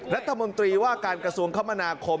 รัฐมนตรีว่าการกระทรวงคมนาคม